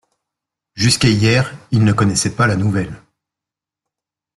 Jusqu’à hier ils ne connaissaient pas la nouvelle.